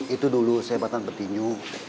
itu dulu sahabatan petinju